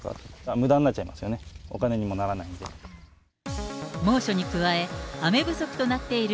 むだになっちゃいますよね、お金猛暑に加え、雨不足となっている